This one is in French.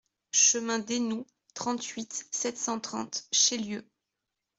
Chemin d'Eynoud, trente-huit, sept cent trente Chélieu